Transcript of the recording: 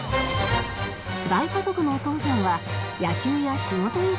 大家族のお父さんは野球や仕事以外にも